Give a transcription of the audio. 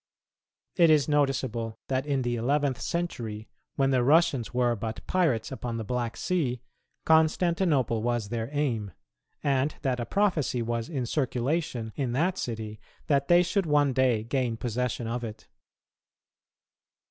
It is noticeable that in the eleventh century, when the Russians were but pirates upon the Black Sea, Constantinople was their aim; and that a prophesy was in circulation in that city that they should one day gain possession of it.